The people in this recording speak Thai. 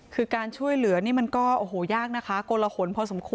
คือการช่วยเหลือนี่มันก็โอ้โหยากนะคะกลหนพอสมควร